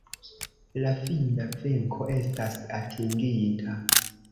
La fina venko estas atingita!!